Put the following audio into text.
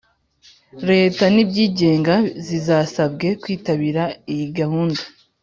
Leta n ibyigenga zisabwe kwitabira iyi gahunda